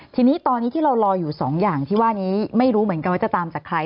ทีนี้ตอนนี้ที่เรารออยู่สองอย่างที่ว่านี้ไม่รู้เหมือนกันว่าจะตามจากใคร